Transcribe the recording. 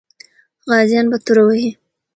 غازیان به توره وهي.